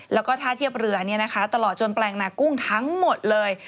แล้วก็ท่าเทียบเรือตลอดจนแปลงนากุ้งทั้งหมดเลย